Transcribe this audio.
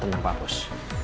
tenang pak bos